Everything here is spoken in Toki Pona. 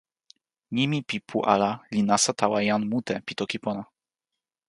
nimi pi pu ala li nasa tawa jan mute pi toki pona.